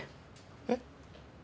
えっ？